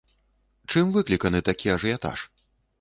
Чым выкліканы такі ажыятаж?